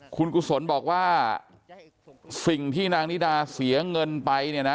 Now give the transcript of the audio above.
คุณกุศลบอกว่าสิ่งที่นางนิดาเสียเงินไปเนี่ยนะ